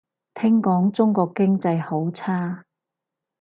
聽講中國經濟好差